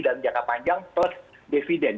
dalam jangka panjang plus dividend